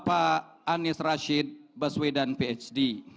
bapak anies rashid baswedan phd